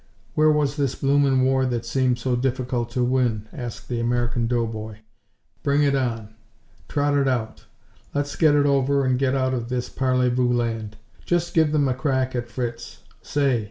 Where was this bloomin' war that seemed so difficult to win? asked the American doughboy. Bring it on! Trot it out! Let's get it over and get out of this Parlez vous land. Just give them a crack at Fritz! Say!